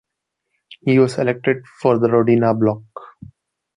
He was elected for the Rodina bloc.